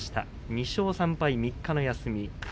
２勝３敗３日の休み。